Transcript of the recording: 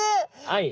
はい。